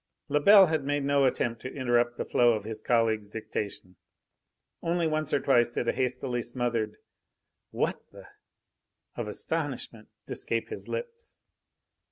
Lebel had made no attempt to interrupt the flow of his colleague's dictation. Only once or twice did a hastily smothered "What the !" of astonishment escape his lips.